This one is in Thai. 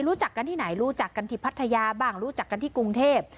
รู้จักกันที่ไหนรู้จักกันที่พัทยาบ้างรู้จักกันที่กรุงเทพ